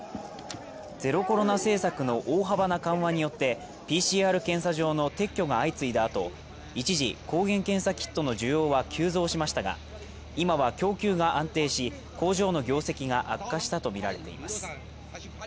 ゼロコロナの政策の大幅な緩和によってＰＣＲ検査場の撤去が相次いだあと一時抗原検査キットの需要は急増しましたが今は供給が安定し工場の業績が悪化したと見られています